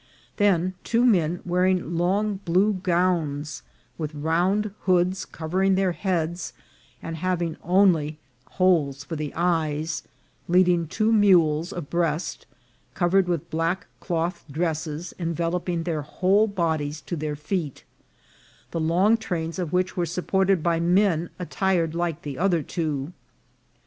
Then two men wearing long blue gowns, with round hoods covering their heads, and having only holes for the eyes, leading two mules abreast, covered with black cloth dresses enveloping their whole bodies to their feet, the long trains of which were supported by men attired like the other two.